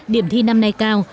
điểm thi năm nay cao